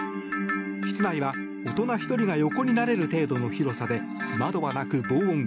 室内は大人１人が横になれる程度の広さで窓はなく防音。